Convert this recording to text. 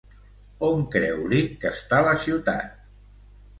On creu Leake que està la ciutat?